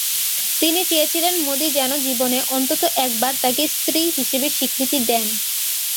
তিনি চেয়েছিলেন মোদি যেন জীবনে অন্তত একবার তাঁকে স্ত্রী হিসেবে স্বীকৃতি দেন।